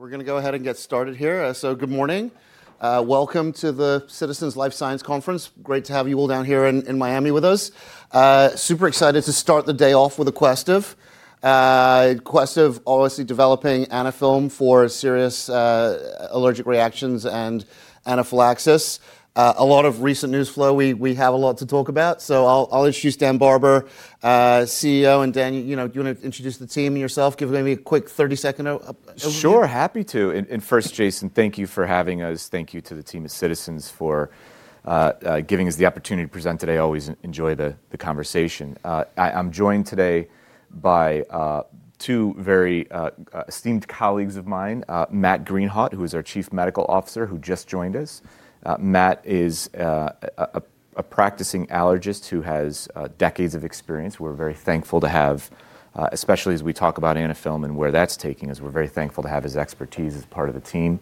All right. We're gonna go ahead and get started here. Good morning. Welcome to the Citizens Life Sciences Conference. Great to have you all down here in Miami with us. Super excited to start the day off with Aquestive. Aquestive obviously developing Anaphylm for serious allergic reactions and anaphylaxis. A lot of recent news flow, we have a lot to talk about. I'll introduce Daniel Barber, CEO, and Dan, you know, do you wanna introduce the team and yourself? Give maybe a quick 30-second overview? Sure, happy to. First, Jason, thank you for having us. Thank you to the team at Citizens for giving us the opportunity to present today. Always enjoy the conversation. I'm joined today by two very esteemed colleagues of mine, Matthew Greenhawt, who is our Chief Medical Officer, who just joined us. Matt is a practicing allergist who has decades of experience. We're very thankful to have, especially as we talk about Anaphylm and where that's taking us, we're very thankful to have his expertise as part of the team.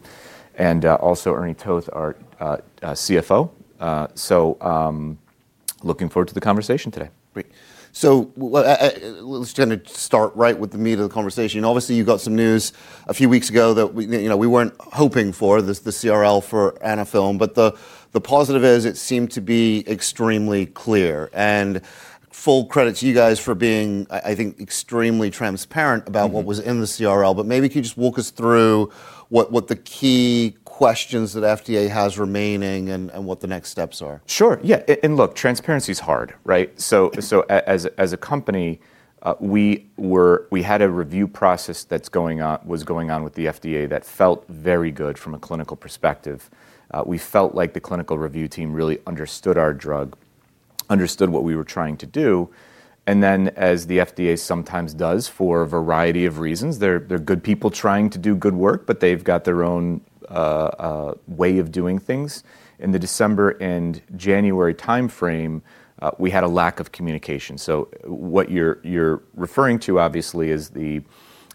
Also Ernie Toth, our CFO. Looking forward to the conversation today. Great. Let's generally start right with the meat of the conversation. Obviously, you got some news a few weeks ago that we, you know, we weren't hoping for, this, the CRL for Anaphylm, but the positive is it seemed to be extremely clear. Full credit to you guys for being, I think, extremely transparent. Mm-hmm About what was in the CRL, but maybe can you just walk us through what the key questions that FDA has remaining and what the next steps are? Sure, yeah. Look, transparency's hard, right? As a company, we had a review process that was going on with the FDA that felt very good from a clinical perspective. We felt like the clinical review team really understood our drug, understood what we were trying to do, and then as the FDA sometimes does for a variety of reasons, they're good people trying to do good work, but they've got their own way of doing things. In the December and January timeframe, we had a lack of communication. What you're referring to obviously is the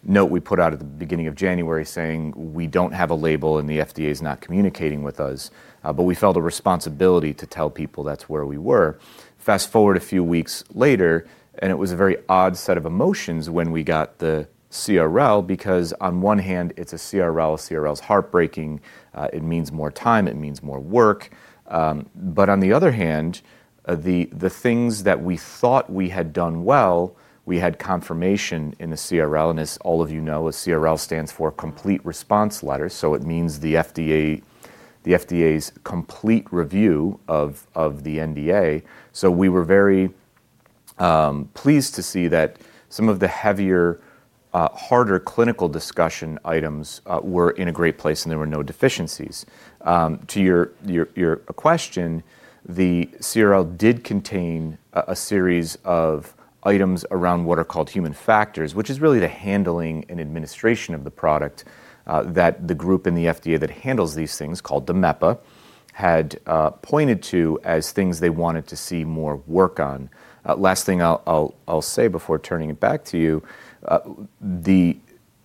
note we put out at the beginning of January saying, "We don't have a label, and the FDA is not communicating with us." We felt a responsibility to tell people that's where we were. Fast-forward a few weeks later, and it was a very odd set of emotions when we got the CRL, because on one hand, it's a CRL. A CRL is heartbreaking. It means more time, it means more work. On the other hand, the things that we thought we had done well, we had confirmation in the CRL, and as all of you know, a CRL stands for Complete Response Letter, so it means the FDA's complete review of the NDA. We were very pleased to see that some of the heavier, harder clinical discussion items were in a great place, and there were no deficiencies. To your question, the CRL did contain a series of items around what are called human factors, which is really the handling and administration of the product, that the group in the FDA that handles these things, called DMEPA, had pointed to as things they wanted to see more work on. Last thing I'll say before turning it back to you, the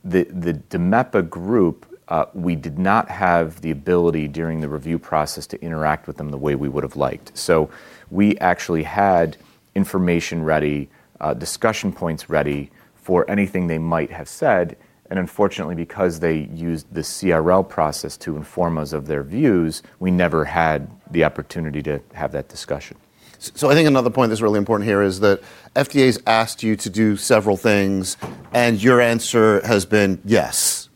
DMEPA group, we did not have the ability during the review process to interact with them the way we would've liked. We actually had information ready, discussion points ready for anything they might have said, and unfortunately, because they used the CRL process to inform us of their views, we never had the opportunity to have that discussion. I think another point that's really important here is that FDA's asked you to do several things, and your answer has been yes.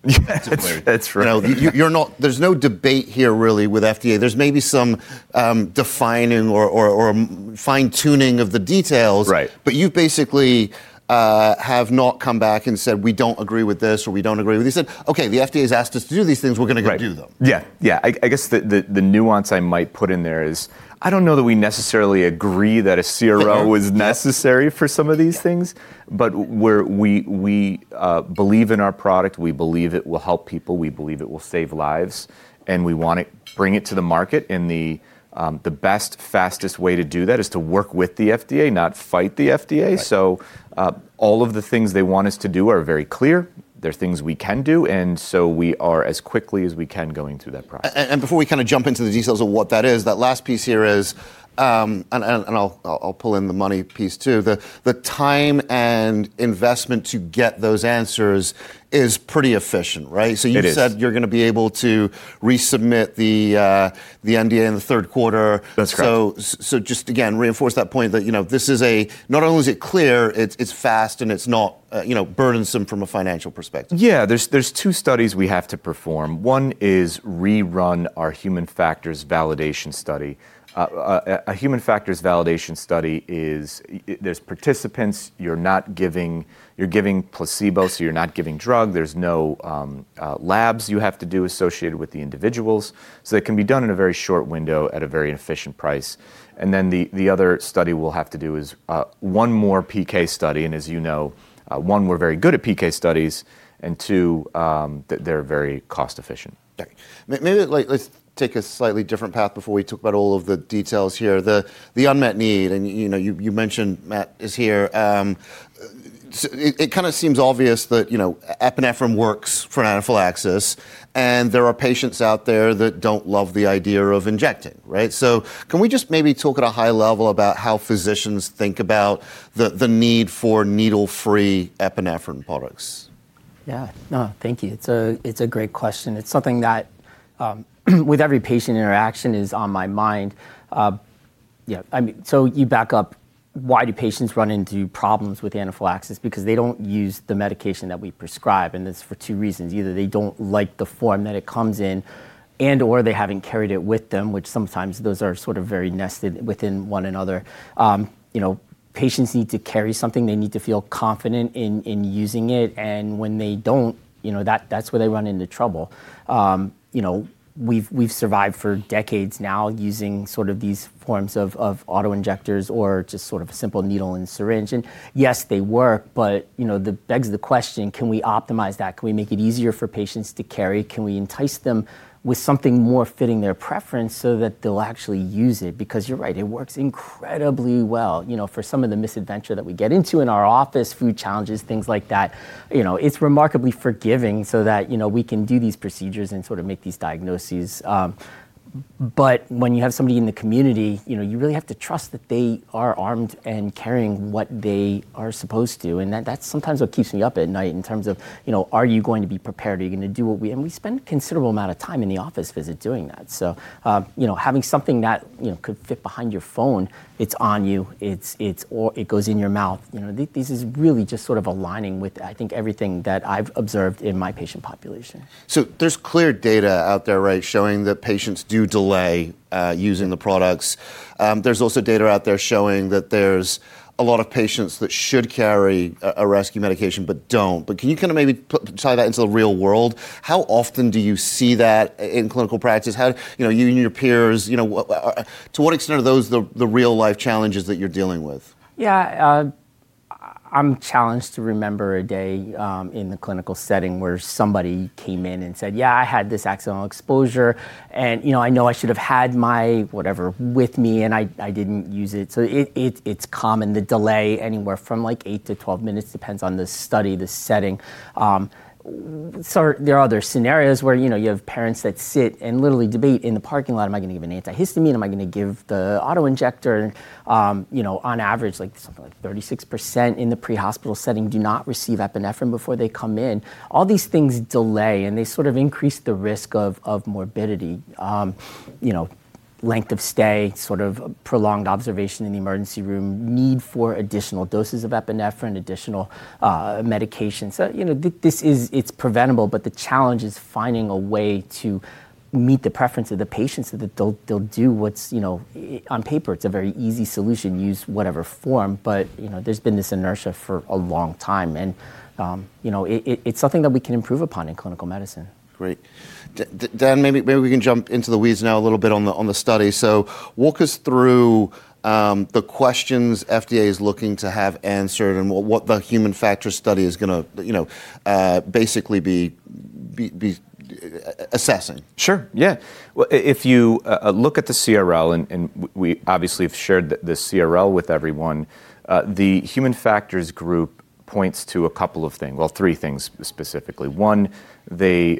That's right. You know, you're not. There's no debate here really with FDA. There's maybe some defining or fine-tuning of the details. Right. You basically have not come back and said, "We don't agree with this," or, "We don't agree with this." You said, "Okay, the FDA's asked us to do these things. We're gonna go do them. Right. Yeah. Yeah. I guess the nuance I might put in there is I don't know that we necessarily agree that a CRL was necessary for some of these things, but we believe in our product, we believe it will help people, we believe it will save lives, and we wanna bring it to the market, and the best, fastest way to do that is to work with the FDA, not fight the FDA. Right. all of the things they want us to do are very clear. They're things we can do, and so we are, as quickly as we can, going through that process. Before we kinda jump into the details of what that is, that last piece here is. I'll pull in the money piece too. The time and investment to get those answers is pretty efficient, right? It is. You said you're gonna be able to resubmit the NDA in the third quarter. That's correct. Just again reinforce that point that, you know, this is a. Not only is it clear, it's fast and it's not, you know, burdensome from a financial perspective. Yeah. There's two studies we have to perform. One is rerun our human factors validation study. A human factors validation study is. There's participants, you're giving placebo, so you're not giving drug. There's no labs you have to do associated with the individuals. So it can be done in a very short window at a very efficient price. The other study we'll have to do is one more PK study, and as you know, one, we're very good at PK studies, and two, they're very cost efficient. Okay. Maybe let's take a slightly different path before we talk about all of the details here. The unmet need, and you know, you mentioned Matt is here. It kinda seems obvious that, you know, epinephrine works for anaphylaxis, and there are patients out there that don't love the idea of injecting, right? Can we just maybe talk at a high level about how physicians think about the need for needle-free epinephrine products? Yeah. No, thank you. It's a great question. It's something that with every patient interaction is on my mind. Yeah. I mean, so you back up. Why do patients run into problems with anaphylaxis? Because they don't use the medication that we prescribe, and it's for two reasons. Either they don't like the form that it comes in, and/or they haven't carried it with them, which sometimes those are sort of very nested within one another. You know, patients need to carry something. They need to feel confident in using it, and when they don't, you know, that's where they run into trouble. You know, we've survived for decades now using sort of these forms of auto-injectors or just sort of a simple needle and syringe. Yes, they work, but, you know, that begs the question, can we optimize that? Can we make it easier for patients to carry? Can we entice them with something more fitting their preference so that they'll actually use it? Because you're right, it works incredibly well. You know, for some of the misadventure that we get into in our office, food challenges, things like that, you know, it's remarkably forgiving so that, you know, we can do these procedures and sort of make these diagnoses. When you have somebody in the community, you know, you really have to trust that they are armed and carrying what they are supposed to. That's sometimes what keeps me up at night in terms of, you know, are you going to be prepared? Are you gonna do what we We spend a considerable amount of time in the office visit doing that. You know, having something that, you know, could fit behind your phone, it's on you, it's or it goes in your mouth. You know, this is really just sort of aligning with, I think, everything that I've observed in my patient population. There's clear data out there, right, showing that patients do delay using the products. There's also data out there showing that there's a lot of patients that should carry a rescue medication but don't. Can you kinda maybe tie that into the real world? How often do you see that in clinical practice? How you know, you and your peers, you know, to what extent are those the real-life challenges that you're dealing with? Yeah. I'm challenged to remember a day in the clinical setting where somebody came in and said, "Yeah, I had this accidental exposure, and, you know, I know I should have had my whatever with me, and I didn't use it." It's common, the delay anywhere from like 8 to 12 minutes, depends on the study, the setting. So there are other scenarios where, you know, you have parents that sit and literally debate in the parking lot, "Am I gonna give an antihistamine? Am I gonna give the auto-injector?" You know, on average, like something like 36% in the pre-hospital setting do not receive epinephrine before they come in. All these things delay, and they sort of increase the risk of morbidity. You know, length of stay, sort of prolonged observation in the emergency room, need for additional doses of epinephrine, additional medications. You know, it's preventable, but the challenge is finding a way to meet the preference of the patients so that they'll do what's, you know. On paper, it's a very easy solution. Use whatever form. You know, there's been this inertia for a long time, and you know, it's something that we can improve upon in clinical medicine. Great. Dan, maybe we can jump into the weeds now a little bit on the study. Walk us through the questions FDA is looking to have answered and what the human factors study is gonna, you know, basically be assessing. Sure. Yeah. If you look at the CRL, and we obviously have shared this CRL with everyone, the human factors group points to a couple of things—well, three things specifically. One, they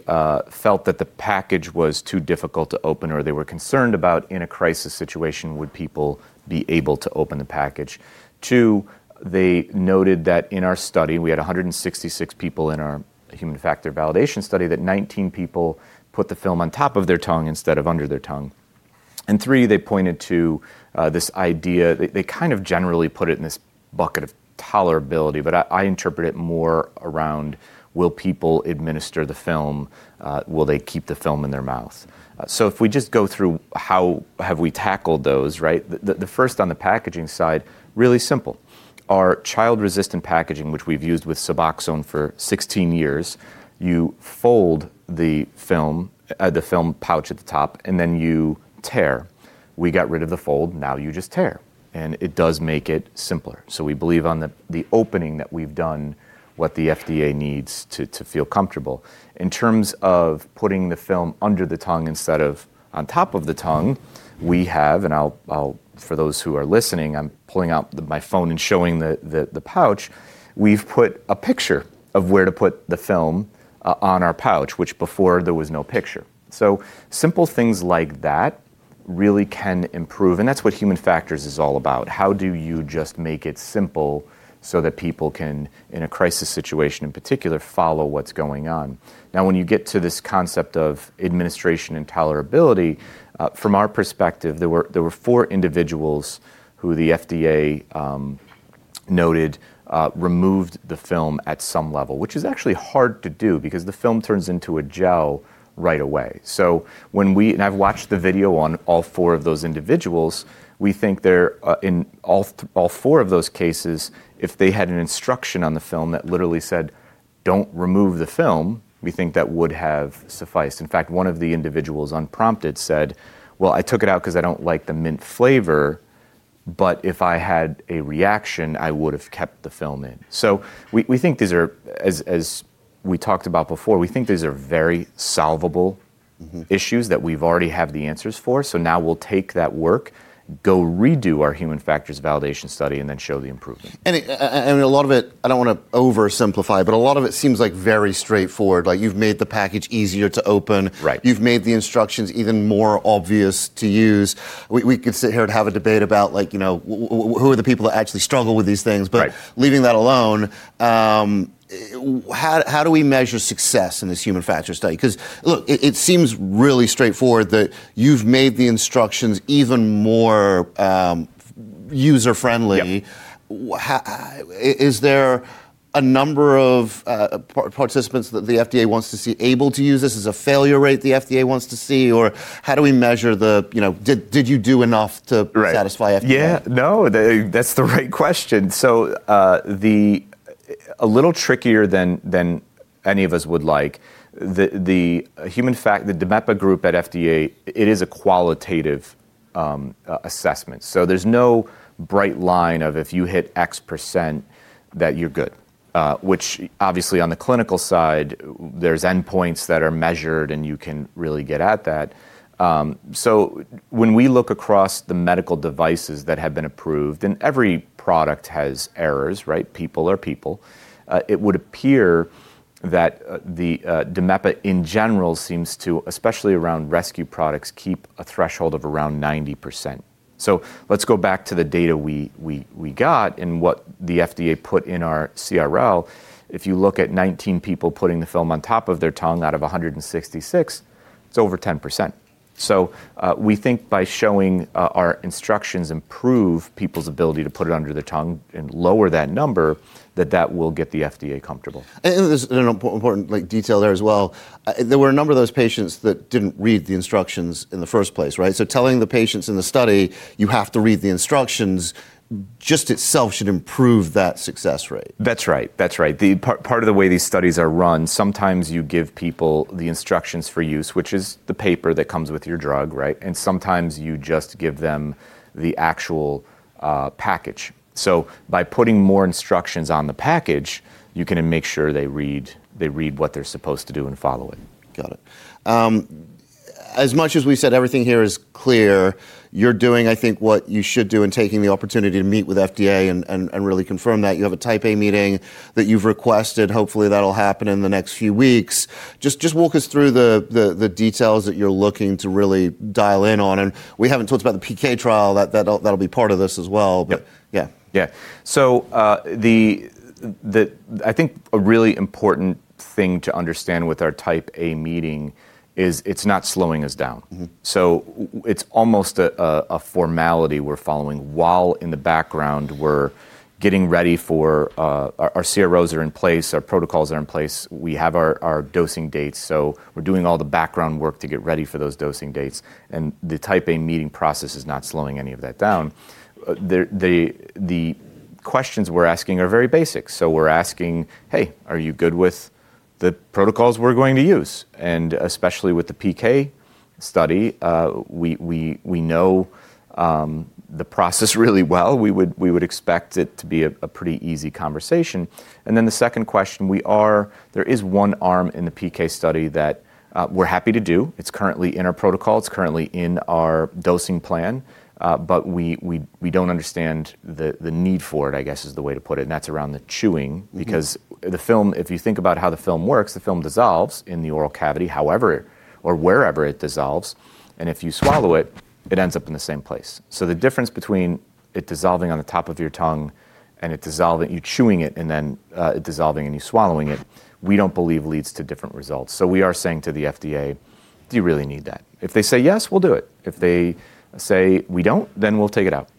felt that the package was too difficult to open or they were concerned about in a crisis situation, would people be able to open the package? Two, they noted that in our study, we had 166 people in our human factors validation study, that 19 people put the film on top of their tongue instead of under their tongue. Three, they pointed to this idea. They kind of generally put it in this bucket of tolerability, but I interpret it more around will people administer the film, will they keep the film in their mouth? If we just go through how have we tackled those, right? The first on the packaging side, really simple. Our child-resistant packaging, which we've used with Suboxone for 16 years, you fold the film, the film pouch at the top, and then you tear. We got rid of the fold. Now you just tear. It does make it simpler. We believe on the opening that we've done what the FDA needs to feel comfortable. In terms of putting the film under the tongue instead of on top of the tongue, we have, and I'll for those who are listening, I'm pulling out my phone and showing the pouch. We've put a picture of where to put the film on our pouch, which before there was no picture. Simple things like that really can improve. That's what human factors is all about. How do you just make it simple so that people can, in a crisis situation in particular, follow what's going on? Now, when you get to this concept of administration and tolerability, from our perspective, there were four individuals who the FDA noted removed the film at some level, which is actually hard to do because the film turns into a gel right away. I've watched the video on all four of those individuals. We think there, in all four of those cases, if they had an instruction on the film that literally said, "Don't remove the film," we think that would have sufficed. In fact, one of the individuals unprompted said, "Well, I took it out because I don't like the mint flavor, but if I had a reaction, I would've kept the film in." We think these are, as we talked about before, we think these are very solvable. Mm-hmm Issues that we've already have the answers for. Now we'll take that work, go redo our human factors validation study, and then show the improvement. It, a lot of it, I don't wanna oversimplify, but a lot of it seems, like, very straightforward. Like, you've made the package easier to open. Right. You've made the instructions even more obvious to use. We could sit here and have a debate about, like, you know, who are the people that actually struggle with these things. Right. Leaving that alone, how do we measure success in this human factors study? Because look, it seems really straightforward that you've made the instructions even more user-friendly. Yep. Is there a number of participants that the FDA wants to see able to use this? Is a failure rate the FDA wants to see? Or how do we measure the you know, did you do enough to- Right satisfy FDA? That's the right question. A little trickier than any of us would like. The DMEPA group at FDA, it is a qualitative assessment. There's no bright line of if you hit X% that you're good. Which obviously on the clinical side, there's endpoints that are measured, and you can really get at that. When we look across the medical devices that have been approved, and every product has errors, right? People are people. It would appear that DMEPA in general seems to, especially around rescue products, keep a threshold of around 90%. Let's go back to the data we got and what the FDA put in our CRL. If you look at 19 people putting the film on top of their tongue out of 166, it's over 10%. We think by showing our instructions improve people's ability to put it under their tongue and lower that number, that will get the FDA comfortable. There's an important, like, detail there as well. There were a number of those patients that didn't read the instructions in the first place, right? Telling the patients in the study, "You have to read the instructions," just itself should improve that success rate. That's right. The part of the way these studies are run, sometimes you give people the Instructions for Use, which is the paper that comes with your drug, right? Sometimes you just give them the actual package. By putting more instructions on the package, you can make sure they read what they're supposed to do and follow it. Got it. As much as we said everything here is clear, you're doing, I think, what you should do and taking the opportunity to meet with FDA and really confirm that. You have a Type A meeting that you've requested. Hopefully, that'll happen in the next few weeks. Just walk us through the details that you're looking to really dial in on. We haven't talked about the PK trial. That'll be part of this as well. Yep. Yeah. I think a really important thing to understand with our Type A meeting is it's not slowing us down. Mm-hmm. It's almost a formality we're following while in the background we're getting ready for. Our CROs are in place. Our protocols are in place. We have our dosing dates, so we're doing all the background work to get ready for those dosing dates, and the Type A meeting process is not slowing any of that down. The questions we're asking are very basic. We're asking, "Hey, are you good with the protocols we're going to use?" And especially with the PK study, we know the process really well. We would expect it to be a pretty easy conversation. Then the second question. There is one arm in the PK study that we're happy to do. It's currently in our protocol. It's currently in our dosing plan. We don't understand the need for it, I guess, is the way to put it, and that's around the chewing. Mm-hmm. Because the film, if you think about how the film works, the film dissolves in the oral cavity however or wherever it dissolves, and if you swallow it ends up in the same place. The difference between it dissolving on the top of your tongue and you chewing it and then it dissolving and you swallowing it, we don't believe leads to different results. We are saying to the FDA, "Do you really need that?" If they say yes, we'll do it. If they say we don't, then we'll take it out.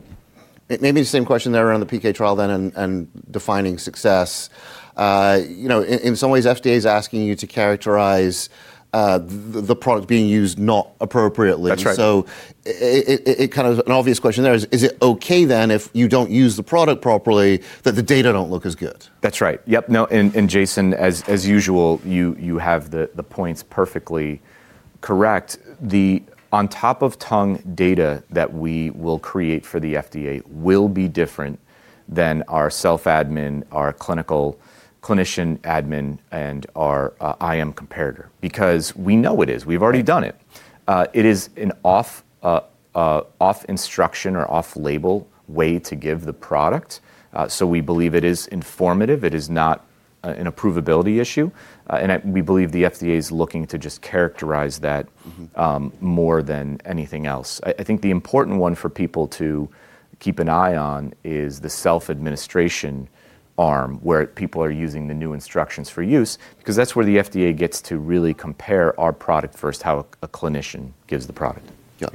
It may be the same question there around the PK trial then and defining success. You know, in some ways, FDA's asking you to characterize the product being used not appropriately. That's right. An obvious question there is it okay then if you don't use the product properly that the data don't look as good? That's right. Yep. No. Jason, as usual, you have the points perfectly correct. The on top of tongue data that we will create for the FDA will be different than our self-admin, our clinician admin, and our IM comparator because we know it is. We've already done it. It is an off-label way to give the product, so we believe it is informative. It is not an approvability issue. We believe the FDA is looking to just characterize that. Mm-hmm I think the important one for people to keep an eye on is the self-administration arm, where people are using the new Instructions for Use because that's where the FDA gets to really compare our product versus how a clinician gives the product. Got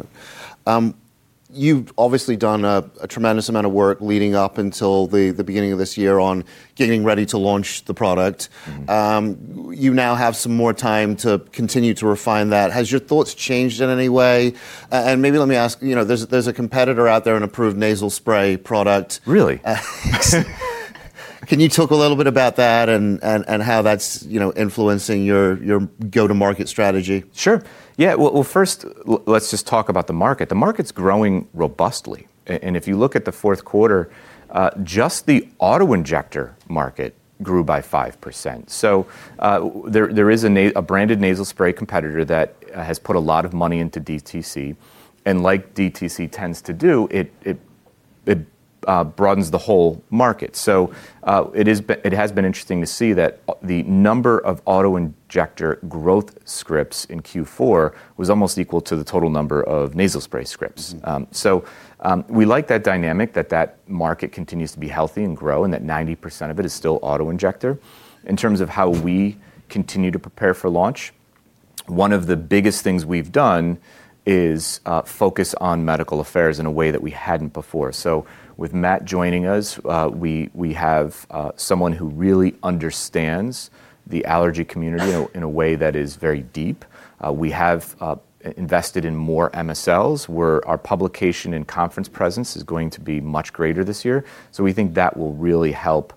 it. You've obviously done a tremendous amount of work leading up until the beginning of this year on getting ready to launch the product. Mm-hmm. You now have some more time to continue to refine that. Has your thoughts changed in any way? Maybe let me ask, you know, there's a competitor out there, an approved nasal spray product. Really? Can you talk a little bit about that and how that's, you know, influencing your go-to-market strategy? Sure. Yeah. Well first, let's just talk about the market. The market's growing robustly. If you look at the fourth quarter, just the auto-injector market grew by 5%. There is a branded nasal spray competitor that has put a lot of money into DTC, and like DTC tends to do, it broadens the whole market. It has been interesting to see that the number of auto-injector growth scripts in Q4 was almost equal to the total number of nasal spray scripts. Mm-hmm. We like that dynamic, that market continues to be healthy and grow, and that 90% of it is still auto-injector. In terms of how we continue to prepare for launch. One of the biggest things we've done is focus on medical affairs in a way that we hadn't before. With Matt joining us, we have someone who really understands the allergy community in a way that is very deep. We have invested in more MSLs, where our publication and conference presence is going to be much greater this year. We think that will really help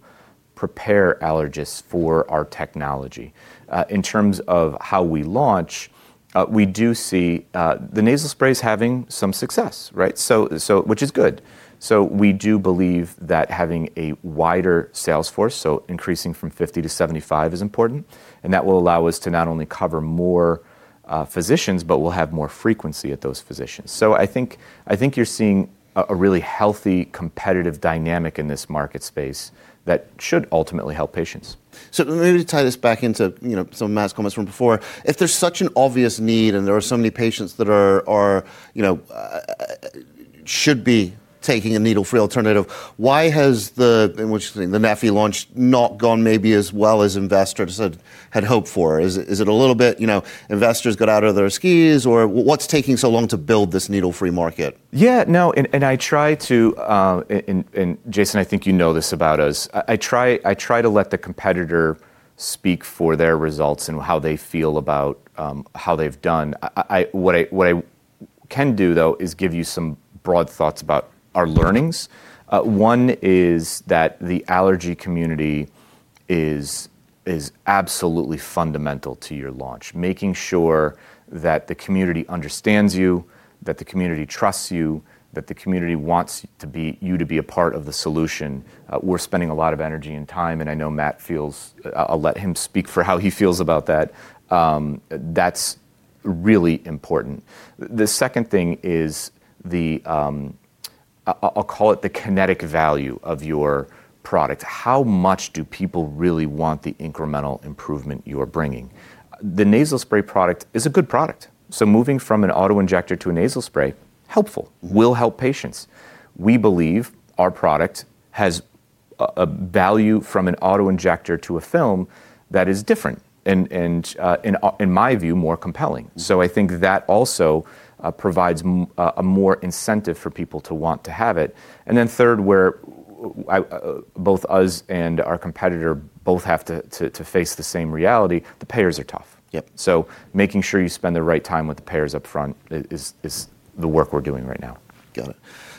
prepare allergists for our technology. In terms of how we launch, we do see the nasal spray's having some success, right? Which is good. We do believe that having a wider sales force, so increasing from 50 to 75 is important, and that will allow us to not only cover more, physicians, but we'll have more frequency at those physicians. I think you're seeing a really healthy, competitive dynamic in this market space that should ultimately help patients. Let me tie this back into, you know, some of Matt's comments from before. If there's such an obvious need and there are so many patients that are, you know, should be taking a needle-free alternative, why has the Neffy launch not gone maybe as well as investors had hoped for? Is it a little bit, you know, investors got out of their skis, or what's taking so long to build this needle-free market? I try to let the competitor speak for their results and how they feel about how they've done. What I can do though is give you some broad thoughts about our learnings. One is that the allergy community is absolutely fundamental to your launch, making sure that the community understands you, that the community trusts you, that the community wants you to be a part of the solution. We're spending a lot of energy and time, and I know Matt feels. I'll let him speak for how he feels about that. That's really important. The second thing is the. I'll call it the kinetic value of your product. How much do people really want the incremental improvement you're bringing? The nasal spray product is a good product. Moving from an auto-injector to a nasal spray, helpful, will help patients. We believe our product has a value from an auto-injector to a film that is different and in my view, more compelling. I think that also provides a more incentive for people to want to have it. Then third, where we both of us and our competitor both have to face the same reality, the payers are tough. Yep. Making sure you spend the right time with the payers up front is the work we're doing right now. Got it.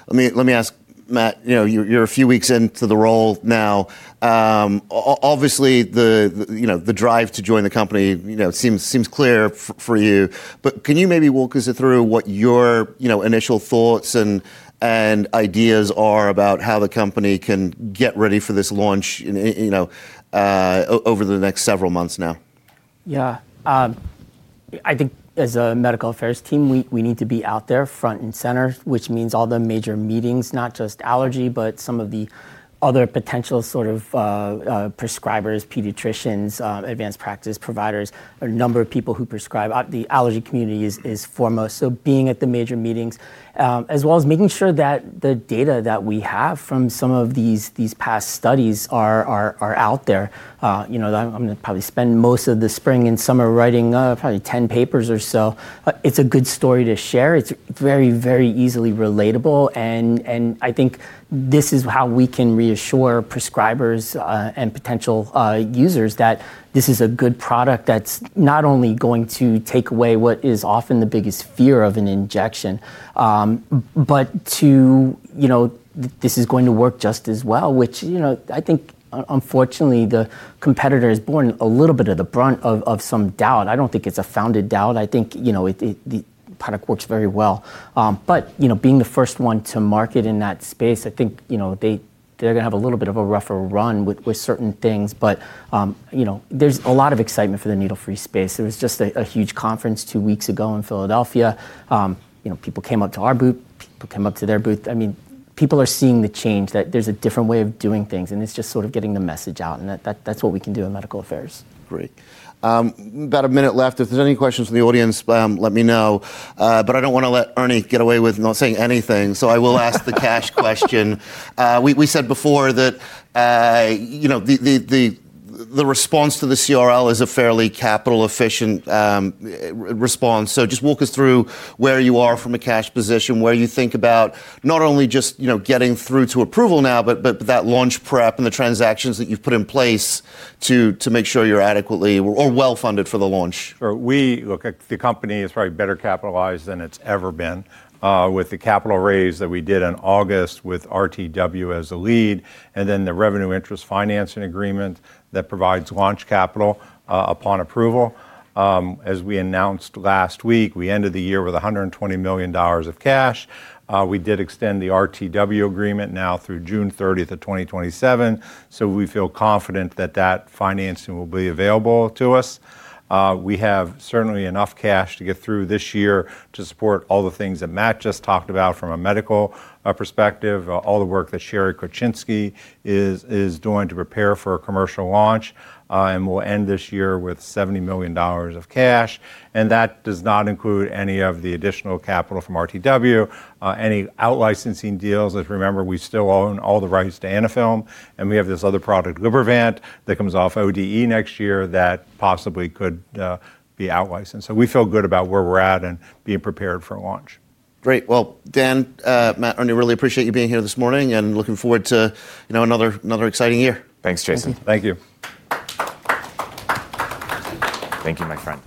Let me ask Matt, you know, you're a few weeks into the role now. Obviously, you know, the drive to join the company, you know, seems clear for you. But can you maybe walk us through what your, you know, initial thoughts and ideas are about how the company can get ready for this launch in, you know, over the next several months now? Yeah. I think as a medical affairs team, we need to be out there front and center, which means all the major meetings, not just allergy, but some of the other potential sort of prescribers, pediatricians, advanced practice providers, or a number of people who prescribe. The allergy community is foremost, so being at the major meetings, as well as making sure that the data that we have from some of these past studies are out there. You know, I'm gonna probably spend most of the spring and summer writing up probably 10 papers or so. It's a good story to share. It's very, very easily relatable and I think this is how we can reassure prescribers and potential users that this is a good product that's not only going to take away what is often the biggest fear of an injection, but you know this is going to work just as well, which you know I think unfortunately the competitor is bearing a little bit of the brunt of some doubt. I don't think it's a founded doubt. I think you know it the product works very well. But you know being the first one to market in that space I think you know they're gonna have a little bit of a rougher run with certain things. You know there's a lot of excitement for the needle-free space. There was just a huge conference two weeks ago in Philadelphia. You know, people came up to our booth. People came up to their booth. I mean, people are seeing the change, that there's a different way of doing things, and it's just sort of getting the message out and that's what we can do in medical affairs. Great. About a minute left. If there's any questions from the audience, let me know. I don't wanna let Ernie get away with not saying anything, so I will ask the cash question. We said before that, you know, the response to the CRL is a fairly capital efficient response. Just walk us through where you are from a cash position, where you think about not only just, you know, getting through to approval now, but that launch prep and the transactions that you've put in place to make sure you're adequately or well-funded for the launch. Sure. Look, the company is probably better capitalized than it's ever been, with the capital raise that we did in August with RTW as a lead, and then the revenue interest financing agreement that provides launch capital, upon approval. As we announced last week, we ended the year with $120 million of cash. We did extend the RTW agreement now through June thirtieth, 2027, so we feel confident that that financing will be available to us. We have certainly enough cash to get through this year to support all the things that Matt just talked about from a medical perspective, all the work that Sherry Korczynski is doing to prepare for a commercial launch. We'll end this year with $70 million of cash, and that does not include any of the additional capital from RTW. Any out-licensing deals and remember, we still own all the rights to Anaphylm, and we have this other product Libervant that comes off ODE next year that possibly could be out-licensed. We feel good about where we're at and being prepared for a launch. Great. Well, Dan, Matt, Ernie, really appreciate you being here this morning and looking forward to, you know, another exciting year. Thanks, Jason. Thank you. Thank you, my friend.